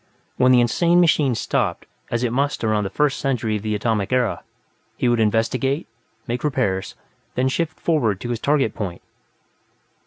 When this insane machine stopped, as it must around the First Century of the Atomic Era, he would investigate, make repairs, then shift forward to his target point.